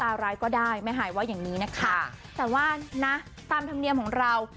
ร้ายก็ได้แม่หายว่าอย่างนี้นะคะแต่ว่านะตามธรรมเนียมของเรา